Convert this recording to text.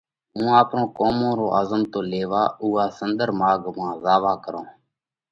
“هُون آپرون ڪرمون رو آزمتو ليوا اُوئہ سُنۮر ماڳ زاوا ڪرونه،